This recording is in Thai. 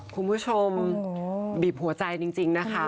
คุณผู้ชมบีบหัวใจจริงนะคะ